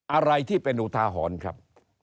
อะไรที่เป็นอุทาหรณ์ครับ